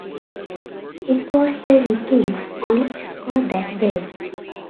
It was the Vikings' only score that day.